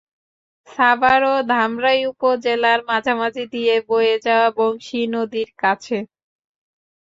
সাভার ও ধামরাই উপজেলার মাঝামাঝি দিয়ে বয়ে যাওয়া বংশী নদীর কাছে।